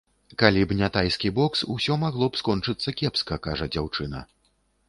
Калі б не тайскі бокс, усё магло б скончыцца кепска, кажа дзяўчына.